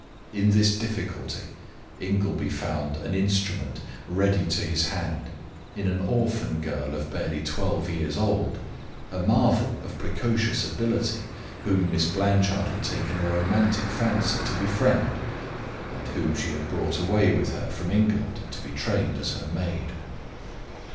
In this difficulty, Ingleby found an instrument ready to his hand in an orphan girl of barely twelve years old, a marvel of precocious ability, whom Miss Blanchard had taken a romantic fancy to befriend and whom she had brought away with her from England to be trained as her maid.